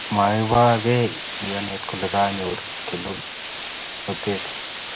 maibor kei nyikanatet kole kanyor kelunotet